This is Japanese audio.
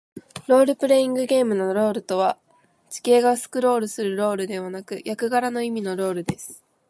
ロールプレイングゲームのロールとは、地形がスクロールするロールではなく、役柄の意味のロールです。